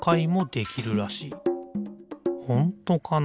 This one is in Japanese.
ほんとかな？